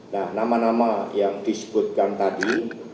nah nama nama yang disebutkan tadi